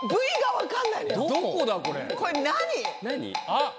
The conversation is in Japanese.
あっ！